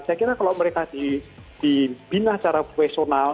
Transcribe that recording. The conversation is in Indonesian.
saya kira kalau mereka dibina secara profesional